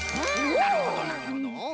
なるほどなるほど。